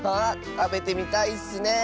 たべてみたいッスねえ！